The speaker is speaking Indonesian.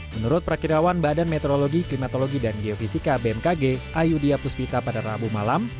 menurut perakirawan badan meteorologi klimatologi dan geofisika bmkg ayudya puspita pada rabu malam